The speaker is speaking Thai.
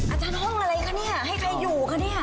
อาจารย์ห้องอะไรคะเนี่ยให้ใครอยู่คะเนี่ย